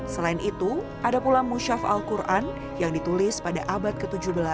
selain itu ada pula musyaf al quran yang ditulis pada abad ke tujuh belas